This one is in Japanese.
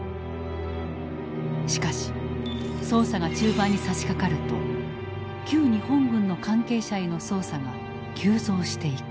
しかし捜査が中盤にさしかかると旧日本軍の関係者への捜査が急増していく。